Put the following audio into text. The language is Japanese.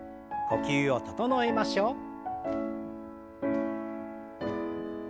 呼吸を整えましょう。